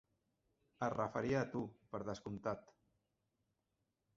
Es referia a tu, per descomptat.